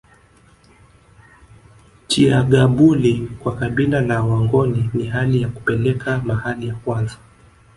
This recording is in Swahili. Chiyagabuli kwa kabila la wangoni ni hali ya kupeleka mahali ya kwanza